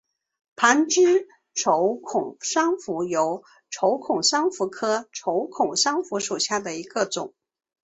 旁枝轴孔珊瑚为轴孔珊瑚科轴孔珊瑚属下的一个种。